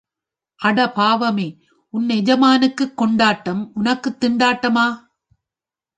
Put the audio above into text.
அட பாவமே உன் எஜமானனுக்குக் கொண்டாட்டம உனக்குத் திண்டாட்டமா?